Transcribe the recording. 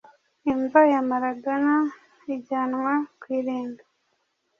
Imva ya Maradona ijyanwa ku irimbi